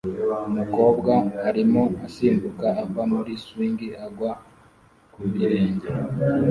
Umukobwa arimo asimbuka ava muri swing agwa ku birenge